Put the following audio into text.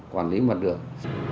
quản lý mặt đường